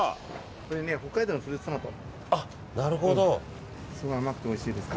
これ、北海道のフルーツトマト。